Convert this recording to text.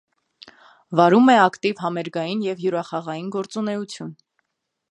Վարում է ակտիվ համերգային և հյուրախաղային գործունեություն։